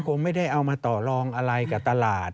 คงไม่ได้เอามาต่อลองอะไรกับตลาด